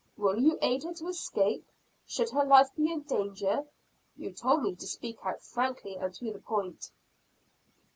"Will you aid her to escape, should her life be in danger? You told me to speak out frankly and to the point."